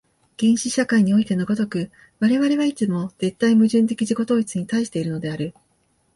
原始社会においての如く、我々はいつも絶対矛盾的自己同一に対しているのである。